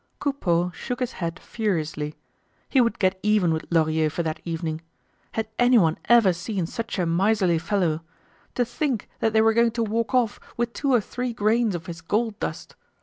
Coupeau shook his head furiously. He would get even with Lorilleux for that evening. Had anyone ever seen such a miserly fellow? To think that they were going to walk off with two or three grains of his gold dust!